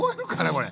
これ。